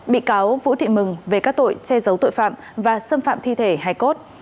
bị cáo vũ thị mừng về các tội che giấu tội phạm và xâm phạm thi thể hai cốt